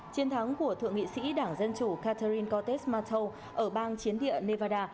chiến thắng của thượng nghị sĩ đảng dân chủ catherine cortez martel ở bang chiến địa nevada